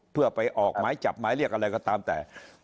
เพื่อไปออกหมายจับหมายเรียกอะไรก็ตามแต่